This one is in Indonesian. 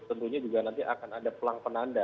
tentunya juga nanti akan ada pelang penanda